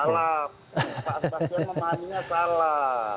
pak astagfir memangannya salah